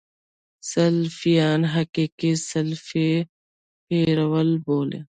سلفیان حقیقي سلف پیرو بولي.